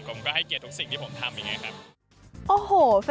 ผมก็ให้เกียรติทุกสิ่งที่ผมทำอย่างนี้ครับ